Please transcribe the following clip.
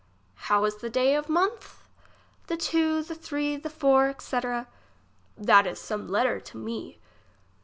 How is the day of month ? The two, the three, the four, etc. That is some letter to me.